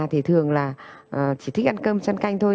thì thường là chỉ thích ăn cơm chăn canh thôi